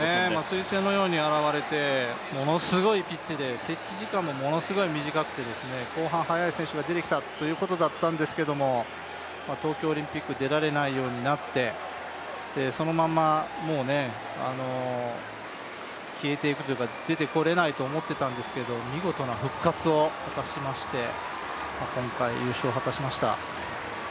彗星のように現れてものすごいピッチで、接地時間もものすごい短くて後半速い選手が出てきたということだったんですけど東京オリンピック出られないようになってそのまま消えていくというか出てこれないと思っていたんですけれども見事な復活を果たしまして、今回優勝を果たしました。